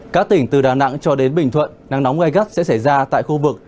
các tỉnh từ đà nẵng cho đến bình thuận nắng nóng gai gắt sẽ xảy ra tại khu vực